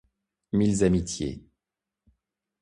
Mille amitiés.